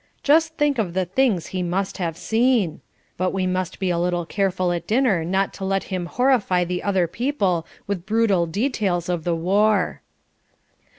Just think of the things he must have seen! But we must be a little careful at dinner not to let him horrify the other people with brutal details of the war."